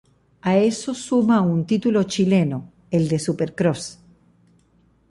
A eso suma un título chileno: el de Supercross.